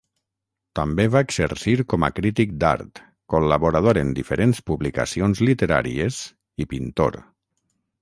També va exercir com a crític d'art, col·laborador en diferents publicacions literàries i pintor.